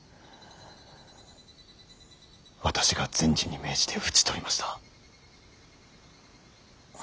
私が善児に命じて討ち取りました。